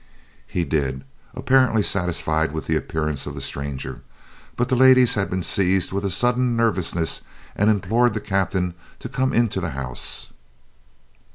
He did, apparently satisfied with the appearance of the stranger, but the ladies had been seized with a sudden nervousness and implored the Captain to come into the house.